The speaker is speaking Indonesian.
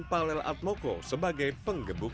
palel admoko sebagai penggebuk